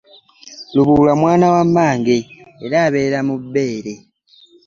Lubuulwa mwana wa mmange era abeera mubbeere.